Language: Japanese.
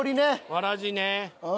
わらじね。